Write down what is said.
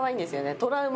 トラウマ。